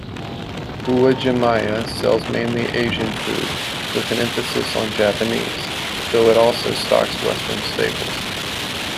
Uwajimaya sells mainly Asian food-with an emphasis on Japanese-though it also stocks Western staples.